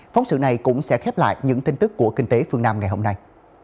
phóng sự này cũng sẽ khép lại những tin tức của kinh tế phương nam ngày hôm nay